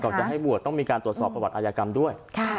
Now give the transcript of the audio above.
จะให้บวชต้องมีการตรวจสอบประวัติอายกรรมด้วย